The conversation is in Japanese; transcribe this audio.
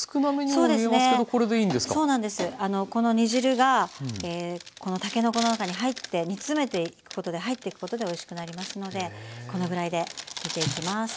そうなんですこの煮汁がたけのこの中に入って煮詰めていくことで入っていくことでおいしくなりますのでこのぐらいで煮ていきます。